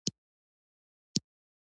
کرنه او خواړه